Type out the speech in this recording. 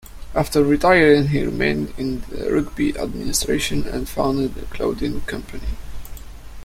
After retiring, he remained in rugby administration and founded a clothing company.